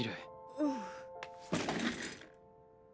うん。